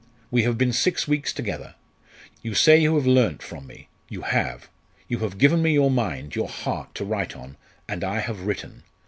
We have been six weeks together. You say you have learnt from me; you have! you have given me your mind, your heart to write on, and I have written.